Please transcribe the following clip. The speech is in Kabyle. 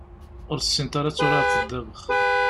Ur tessineḍ ara ad turareḍ ddabex.